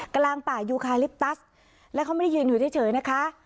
กลางป่ายูคาลิปตัสแล้วเขาไม่ได้ยืนอยู่เฉยนะคะ